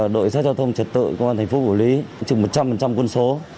đội xã giao thông trật tự công an thành phố phủ lý trực một trăm linh quân số